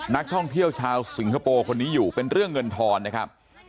นักท่องเที่ยวชาวสิงคโปร์คนนี้อยู่เป็นเรื่องเงินทอนนะครับ